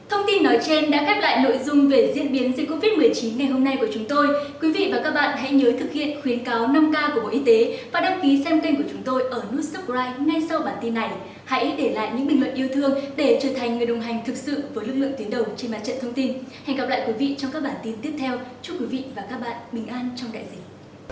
hẹn gặp lại các bạn trong những video tiếp theo chúc quý vị và các bạn bình an trong đại dịch